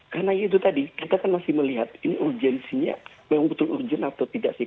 karena itu tadi kita kan masih melihat ini urgensinya memang betul betul urgent atau tidak sih